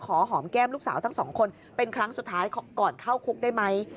หอมแก้มลูกสาวทั้งสองคนเป็นครั้งสุดท้ายก่อนเข้าคุกได้ไหม